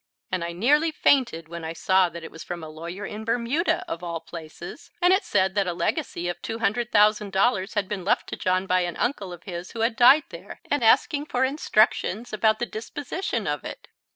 And I nearly fainted when I saw that it was from a lawyer in Bermuda of all places and it said that a legacy of two hundred thousand dollars had been left to John by an uncle of his who had died there, and asking for instructions about the disposition of it.